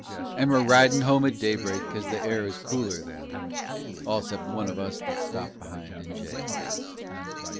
And we're ridin' home at daybreak 'cause the air is cooler then All 'cept one of us that stopped behind in jail.